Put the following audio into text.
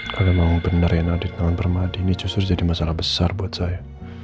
kalau memang benar yang ada di tangan permadi ini justru jadi masalah besar buat saya